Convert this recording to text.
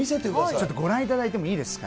ちょっとご覧いただいてもいいですか？